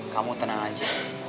kamu tenang aja